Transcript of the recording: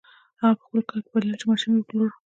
هغه په خپل کار بريالی شو او ماشين يې وپلوره.